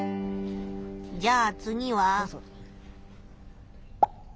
じゃあ次は？